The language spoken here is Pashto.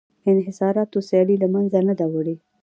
انحصاراتو سیالي له منځه نه ده وړې